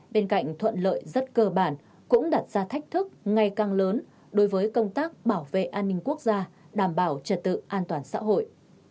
bên cạnh thuận lợi rất cơ bản cũng đặt ra thách thức ngày càng lớn đối với công tác bảo vệ an ninh quốc gia đảm bảo trật tự an toàn xã hội